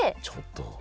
ちょっと。